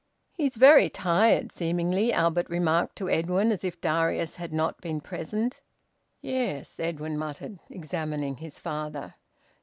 "He's very tired, seemingly," Albert remarked to Edwin, as if Darius had not been present. "Yes," Edwin muttered, examining his father.